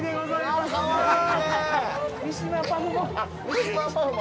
◆三島パフも。